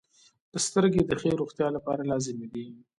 • سترګې د ښې روغتیا لپاره لازمي دي.